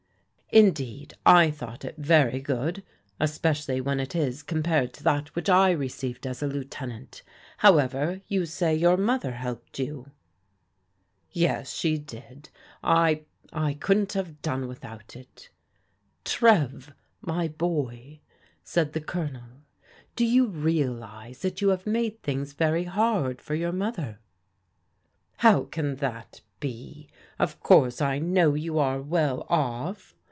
" Indeed, I thought it very good, especially when it is compared to that which I received as a lieutenant How ever, you say your mother helped you." 116 PRODIGAL DAUGHTERS " Yes, she did I — I couldn't have done without it'' "Trev, my boy," said the Colonel, "do you realize that you have made things very hard for your mother? "" How can that be? Of course I know you are well oflf."